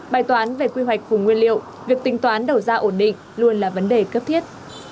bài toán về quy hoạch vùng nguyên liệu việc tính toán đầu ra ổn định luôn là vấn đề cấp thiết